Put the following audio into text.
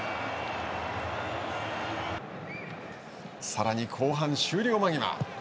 さらに後半終了間際。